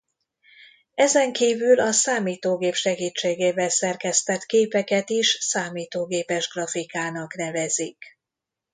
Ezenkívül a számítógép segítségével szerkesztett képeket is számítógépes grafikának nevezik.